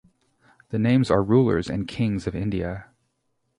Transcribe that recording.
The names are rulers and kings of India.